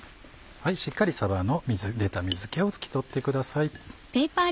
しっかりさばの出た水気を拭き取ってください。